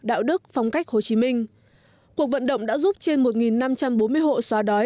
đạo đức phong cách hồ chí minh cuộc vận động đã giúp trên một năm trăm bốn mươi hộ xóa đói